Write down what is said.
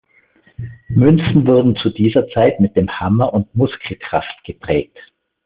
Münzen wurden zu dieser Zeit mit dem Hammer und Muskelkraft geprägt.